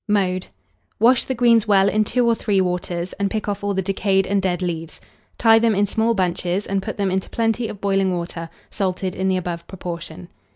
Mode. Wash the greens well in two or three waters, and pick off all the decayed and dead leaves; tie them in small bunches, and put them into plenty of boiling water, salted in the above proportion.